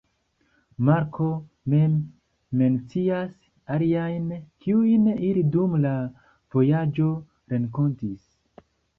Marko mem mencias aliajn, kiujn ili dum la vojaĝo renkontis.